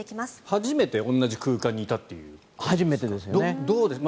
初めて同じ空間にいたということですか？